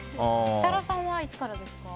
設楽さんは、いつからですか？